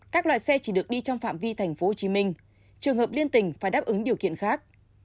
các loại xe chỉ được đi trong phạm vi tp hcm trường hợp liên tỉnh phải đáp ứng điều kiện khác